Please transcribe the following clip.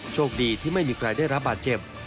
โชคดีที่ไม่มีใครได้รับบาดเจ็บ